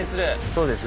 そうです。